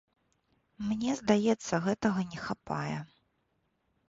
Мне здаецца, гэтага не хапае.